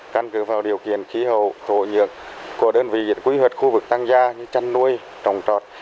căn cứ vào điều kiện khí hậu khổ nhược của đơn vị quy hoạch khu vực tăng gia chăn nuôi trồng trọt